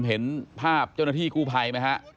เห็นภาพเจ้าหน้าที่กู้ไพรไหมครับ